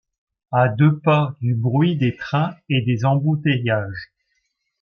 À deux pas du bruit des trains et des embouteillages.